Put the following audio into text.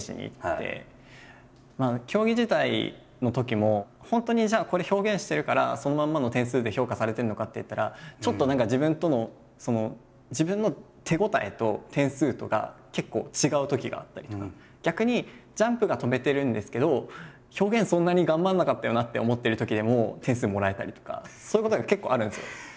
競技時代のときも本当にじゃあこれ表現してるからそのまんまの点数で評価されてるのかっていったらちょっと何か自分とのその逆にジャンプが跳べてるんですけど表現そんなに頑張んなかったよなって思ってるときでも点数もらえたりとかそういうことが結構あるんですよ。